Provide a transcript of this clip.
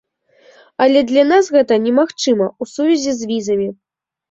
Але для нас гэта немагчыма ў сувязі з візамі.